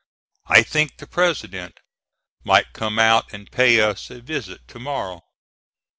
I think the President might come out and pay us a visit tomorrow.